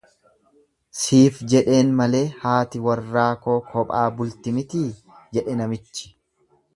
"""Siif jedheen malee haati warraa koo kophaa bulti mitii"" jedhe namichi."